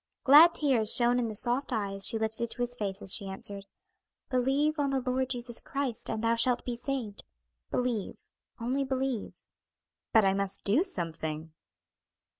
Glad tears shone in the soft eyes she lifted to his face as she answered, "'Believe on the Lord Jesus Christ and thou shalt be saved.' Believe, 'only believe.'" "But I must do something?"